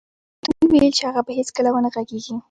دوی ویل چې هغه به هېڅکله و نه غږېږي